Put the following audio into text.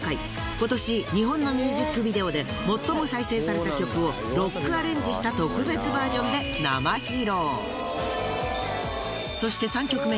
今年日本のミュージックビデオで最も再生された曲をロックアレンジした特別バージョンで生披露。